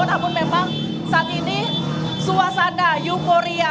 namun memang saat ini suasana euforia